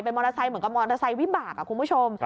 มอเตอร์ไซค์เหมือนกับมอเตอร์ไซค์วิบากคุณผู้ชม